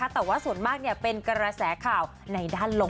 แต่ว่าส่วนมากเป็นกระแสข่าวในด้านลง